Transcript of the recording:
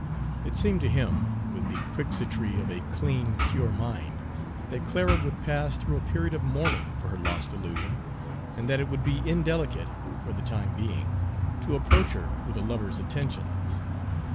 It seemed to him, with the quixotry of a clean, pure mind, that Clara would pass through a period of mourning for her lost illusion, and that it would be indelicate, for the time being, to approach her with a lover's attentions.